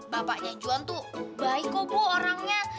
bapaknya juan tuh baik kok bu orangnya